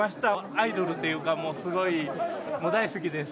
アイドルというか、もうすごい大好きです。